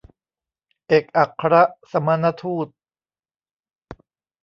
เอกอัครสมณทูต